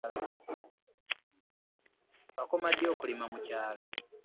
Wakoma ddi okulima mu kyalo.